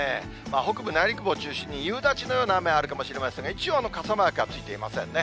北部内陸部を中心に夕立のような雨、あるかもしれませんが、一応、傘マークはついていませんね。